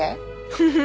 フフフ。